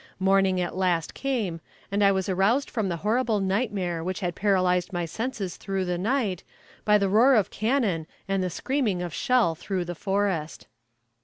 Morning at last came, and I was aroused from the horrible night mare which had paralyzed my senses through the night, by the roar of cannon and the screaming of shell through the forest.